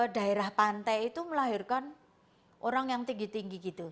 daerah pantai itu melahirkan orang yang tinggi tinggi gitu